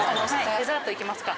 デザートいきますか。